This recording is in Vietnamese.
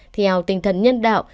theo tinh thần nhân đạo